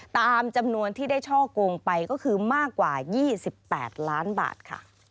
ตามจำนวนที่ได้ช่อกงไปก็คือมากกว่า๒๘ล้านบาทค่ะ